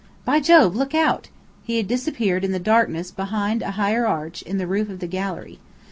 By Jove, look out!" He had disappeared in the darkness behind a higher arch in the roof of the gallery.